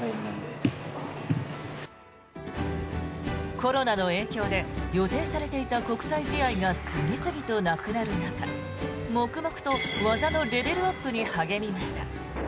コロナの影響で予定されていた国際試合が次々となくなる中黙々と技のレベルアップに励みました。